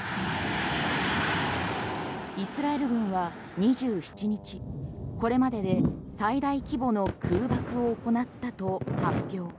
イスラエル軍は２７日これまでで最大規模の空爆を行ったと発表。